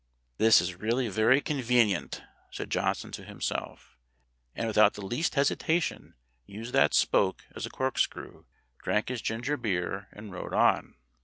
"This is really very convenient," said Johnson to himself, and without the least hesitation used that spoke as a corkscrew, drank his ginger beer, and rode on.